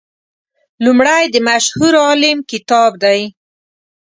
لومړی د مشهور عالم کتاب دی.